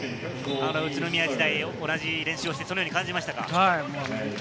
宇都宮時代、同じ練習をして、そのように感じましたか？